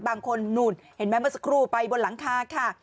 บางคนหนูนเห็นไหมว่าสกรูลไปบนหลังคาค่ะ